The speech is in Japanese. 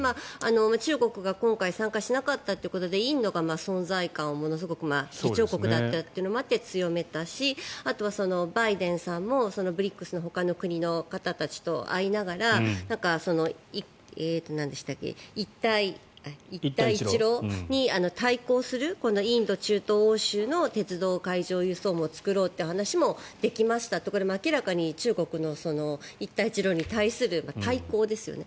中国が今回参加しなかったということでインドが存在感を議長国だったというのもあって強めたし、あとはバイデンさんもＢＲＩＣＳのほかの国の方たちと会いながら一帯一路に対抗するインド、中東、欧州の鉄道海上輸送網も作ろうっていう話もできましたってこれ、明らかに中国の一帯一路に対する対抗ですよね。